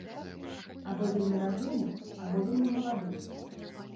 Або вельмі разумны, або вельмі малады.